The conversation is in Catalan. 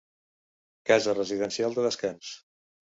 Casa residencial de descans.